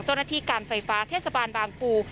เจ้าหน้าที่การไฟฟ้าเทศบาลบางปู